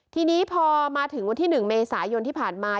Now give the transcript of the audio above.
ทีนี้พอมาถึงวันที่๑เมษายนที่ผ่านมา